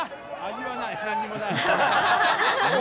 味はない、何もない。